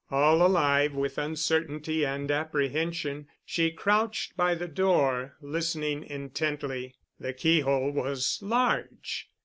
All alive with uncertainty and apprehension, she crouched by the door, listening intently. The keyhole was large.